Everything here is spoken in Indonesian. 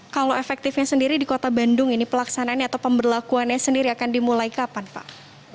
kalau efektifnya sendiri di kota bandung ini pelaksanaannya atau pemberlakuannya sendiri akan dimulai kapan pak